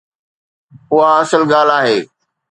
اها اصل ڳالهه آهي.